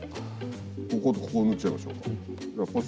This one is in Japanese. こことここ縫っちゃいましょうか？